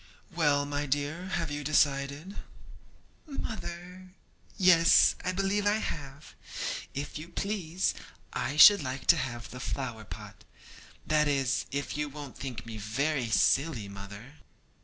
'Well, my dear, have you decided?' 'Mother! yes, I believe I have. If you please, I should like to have the flower pot; that is, if you won't think me very silly, mother.'